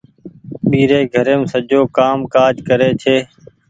ٻيري گهريم سجو ڪآم ڪآج ڪري ڇي۔